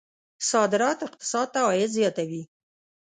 صادرات اقتصاد ته عاید زیاتوي.